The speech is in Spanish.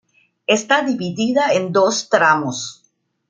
Está dividida en dos tramos.